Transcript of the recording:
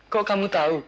kok kamu tahu